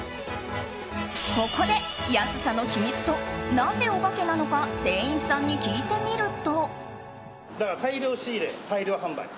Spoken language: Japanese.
ここで安さの秘密となぜオバケなのか店員さんに聞いてみると。